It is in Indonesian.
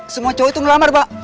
semua cowok itu ngelamar pak